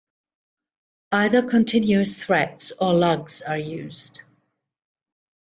Either continuous threads or lugs are used.